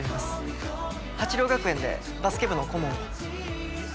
鉢涼学園でバスケ部の顧問を。